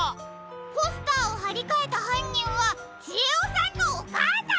ポスターをはりかえたはんにんはちえおさんのおかあさん！？